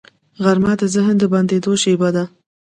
غرمه د ذهن د بندېدو شیبه ده